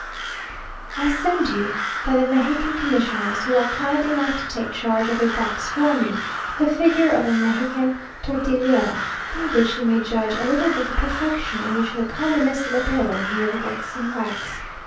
I send you, by the Mexican commissioners, who are kind enough to take charge of a box for me, the figure of a Mexican tortillera, by which you may judge a little of the perfection in which the commonest lépero here works in wax.